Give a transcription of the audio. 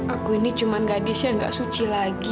aku ini cuma gadis ya nggak suci lagi